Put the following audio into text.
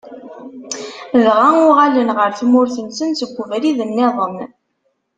Dɣa uɣalen ɣer tmurt-nsen seg ubrid-nniḍen.